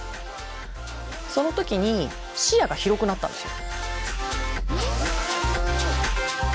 その時に視野が広くなったんですよ。